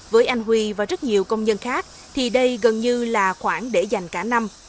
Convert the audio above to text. với anh huy và rất nhiều công nhân khác thì đây gần như là khoản để dành cả năm